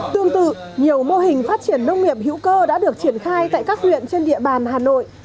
tương tự nhiều mô hình phát triển nông nghiệp hữu cơ đã được triển khai tại các huyện trên địa bàn hà nội